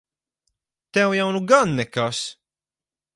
Tev jau nu gan nekas!